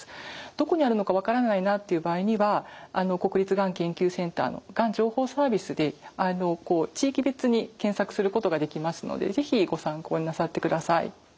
どこにあるのか分からないなっていう場合には国立がん研究センターのがん情報サービスで地域別に検索することができますので是非ご参考になさってください。